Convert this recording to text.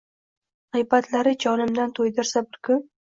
Giybatlari jonimdan tuydirsa bir kun